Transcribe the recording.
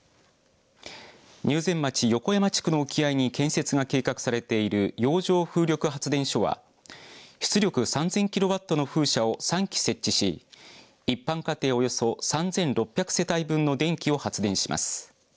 入善町横山地区の沖合に建設が計画されている洋上風力発電所は出力３０００キロワットの風車を３基設置し一般家庭およそ３６００世帯分の電気を発電します。